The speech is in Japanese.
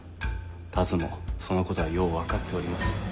田鶴もそのことはよう分かっております。